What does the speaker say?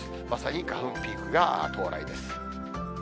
まさに花粉ピークが到来です。